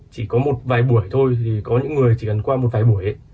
chỉ có một vài buổi thôi thì có những người chỉ cần qua một vài buổi